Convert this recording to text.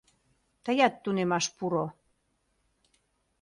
— Тыят тунемаш пуро...